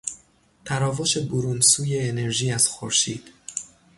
تراوش برون سوی انرژی از خورشید